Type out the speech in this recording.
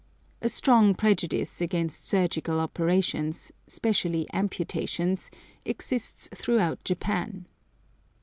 A strong prejudice against surgical operations, specially amputations, exists throughout Japan.